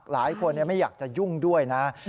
หลายคนไม่อยากจะยุ่งด้วยนะ